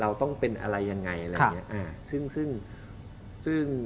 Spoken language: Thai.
เราต้องเป็นอะไรยังไงอะไรอย่างเงี้ย